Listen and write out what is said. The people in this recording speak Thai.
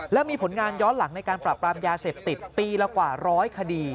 และมีผลงานย้อนหลังในการปรับปรามยาเสพติดปีละกว่าร้อยคดี